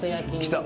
来た。